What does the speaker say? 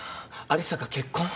有沙が結婚？